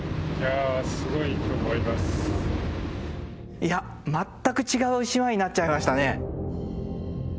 いや全く違う島になっちゃいましたね。